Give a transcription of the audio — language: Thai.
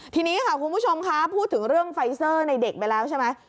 ทีนี้ค่ะคุณผู้ชมคะพูดถึงเรื่องไฟเซอร์ในเด็กไปแล้วใช่ไหม